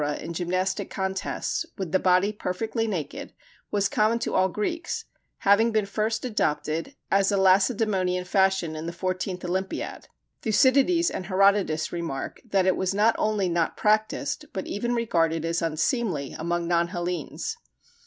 in gymnastic contests, with the body perfectly naked, was common to all Greeks, having been first adopted as a Lacedæmonian fashion in the fourteenth Olympiad: Thucydides and Herodotus remark that it was not only not practised, but even regarded as unseemly, among non Hellenes.